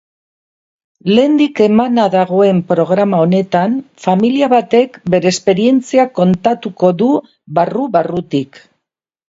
Lehendik emana dagoen programa honetan familia batek bere esperientzia kontatuko du barru-barrutik.